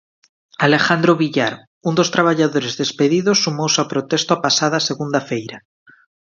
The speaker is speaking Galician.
Alejandro Villar, un dos traballadores despedidos sumouse ao protesto a pasada segunda feira.